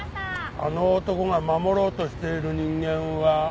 あの男が守ろうとしている人間は。